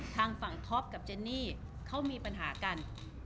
ทางฝั่งท็อปกับเจนนี่เขามีปัญหากัน